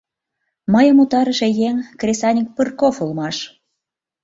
Мыйым утарыше еҥ кресаньык Пырков улмаш.